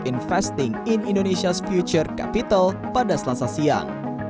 investing in indonesias future capital pada selasa siang